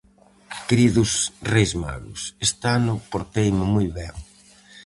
Queridos Reis Magos: Este ano porteime moi ben.